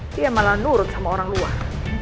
dia malah nurut sama orang luar